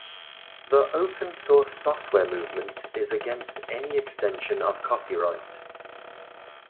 The open source software movement is against any extension of copyright.